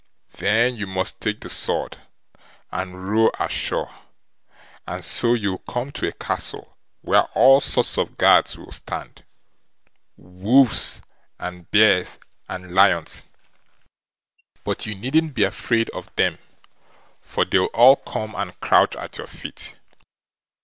Then you must take the sword and row ashore, and so you'll come to a castle where all sorts of guards will stand—wolves, and bears, and lions; but you needn't be afraid of them, for they'll all come and crouch at your feet.